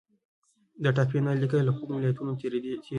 د ټاپي نل لیکه له کومو ولایتونو تیریږي؟